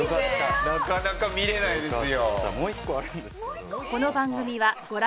なかなか見られないですよ。